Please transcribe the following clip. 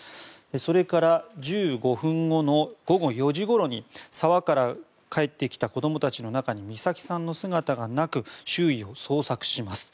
それから１５分後の午後４時ごろに沢から帰ってきた子どもたちの中に美咲さんの姿がなく周囲を捜索します。